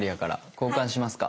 交換しますか？